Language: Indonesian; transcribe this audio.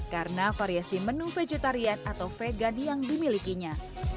karena variasi menu vegetarian atau vegan yang dimilikinya